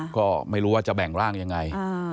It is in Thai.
ก็ไม่รู้ว่าจะแบ่งร่างยังไง